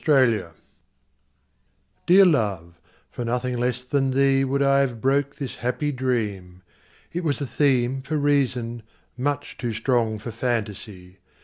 The Dream DEAR love, for nothing less than theeWould I have broke this happy dream; It was a themeFor reason, much too strong for fantasy.